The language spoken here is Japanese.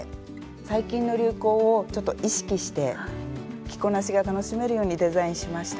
最近の流行をちょっと意識して着こなしが楽しめるようにデザインしました。